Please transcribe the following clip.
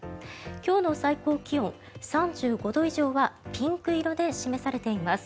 今日の最高気温３５度以上はピンク色で示されています。